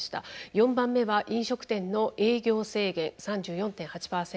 ４番目は「飲食店の営業制限」３４．８％。